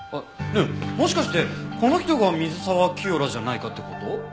もしかしてこの人が水沢キヨラじゃないかって事？